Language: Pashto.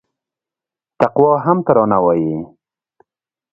تقوا هم ترانه وايي